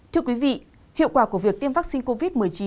thưa quý vị hiệu quả của việc tiêm vaccine covid một mươi chín